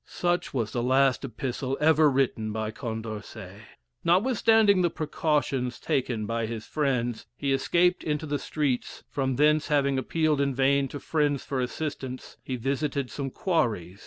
'" Such was the last epistle ever written by Condorcet. Notwithstanding the precautions taken by his friends, he escaped into the streets from thence having appealed in vain to friends for assistance, he visited some quarries.